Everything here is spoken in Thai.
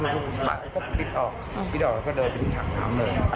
พระพระปิดออกปิดออกแล้วก็เดินไปถึงหักน้ำเลย